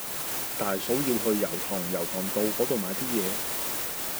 大嫂要去油塘油塘道嗰度買啲嘢